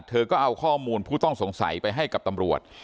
เธอก็เอาข้อมูลผู้ต้องสงสัยไปให้กับตำรวจ